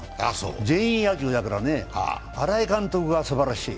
全員野球だから新井監督がすばらしい。